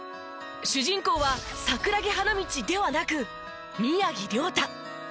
主人公は桜木花道ではなく宮城リョータ。